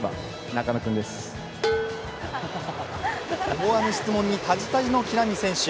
思わぬ質問にタジタジの木浪選手。